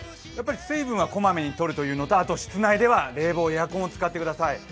水分はこまめにとるということとあと室内では冷房、エアコンを使ってください。